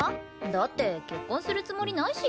だって結婚するつもりないし。